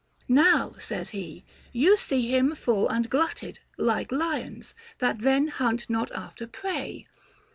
Now, says he, you see him full and glutted, like lions, that then hunt not after prey.